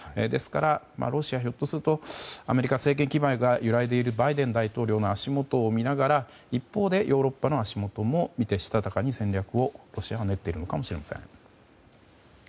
ですからロシアはひょっとするとアメリカ政権基盤が揺らいでいるバイデン大統領の足元を見ながら一方でヨーロッパの足元も見てしたたかに戦略をロシアは練っているのかもしれません。